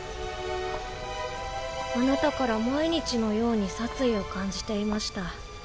あなたから毎日のように殺意を感じていました